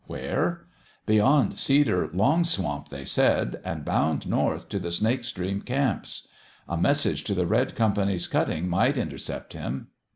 Where ? Beyond Cedar Long Swamp, they said, and bound north to the Snake Stream camps. A message to the Red Company's cutting might intercept him.